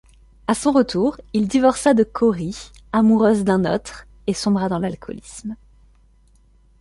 À son retour, il divorça de Cory, amoureuse d'un autre, et sombra dans l'alcoolisme.